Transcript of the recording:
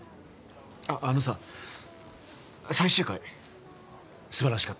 あっあのさ最終回素晴らしかった。